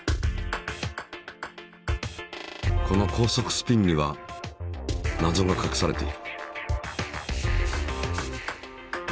この高速スピンには謎がかくされている。